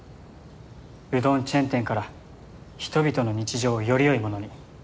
うどんチェーン店から人々の日常をよりよいものに。